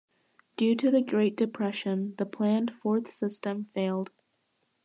Due to the Great Depression, the planned "Fourth System" failed.